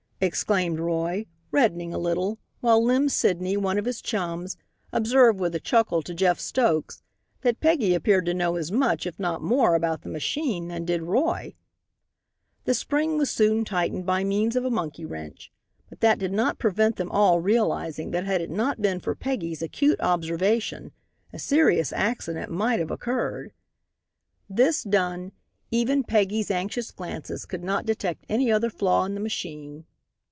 exclaimed Roy, reddening a little, while Lem Sidney, one of his chums, observed with a chuckle to Jeff Stokes, that Peggy appeared to know as much, if not more, about the machine than did Roy. The spring was soon tightened by means of a monkey wrench. But that did not prevent them all realizing that had it not been for Peggy's acute observation a serious accident might have occurred. This done, even Peggy's anxious glances could not detect any other flaw in the machine.